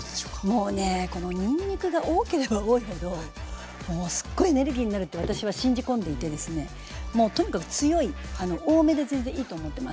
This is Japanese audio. もうねこのにんにくが多ければ多いほどって私は信じ込んでいてですねもうとにかく強い多めで全然いいと思ってます。